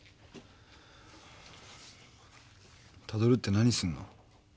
たどるって何すんの？